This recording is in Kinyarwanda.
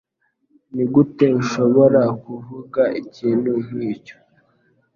Nigute ushobora kuvuga ikintu nkicyo?